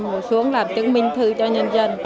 hồi xuống làm chứng minh thư cho nhân dân